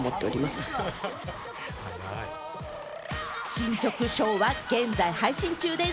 新曲『唱』は現在、配信中です。